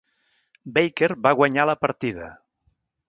Baker va guanyar la partida.